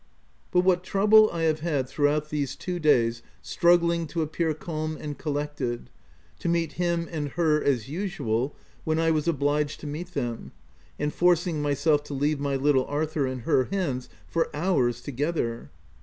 But what trouble I have had throughout these two days struggling to appear calm and collected — to meet him and her as usual, when I was obliged to meet them, and forcing myself to leave my little Arthur in her hands for hours together